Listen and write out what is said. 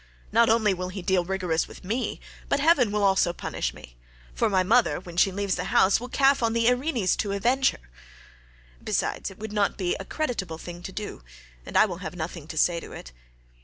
Not only will he deal rigorously with me, but heaven will also punish me; for my mother when she leaves the house will call on the Erinyes to avenge her; besides, it would not be a creditable thing to do, and I will have nothing to say to it.